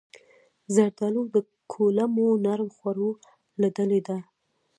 زردالو د کولمو نرم خوړو له ډلې ده.